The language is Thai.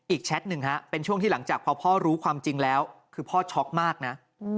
แชทหนึ่งฮะเป็นช่วงที่หลังจากพอพ่อรู้ความจริงแล้วคือพ่อช็อกมากนะ